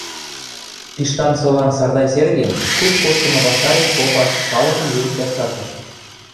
Пиштан сола Сардай Серге куп коштымы ваштареш попаш, халыкым лӱдӹктӓш цацыш.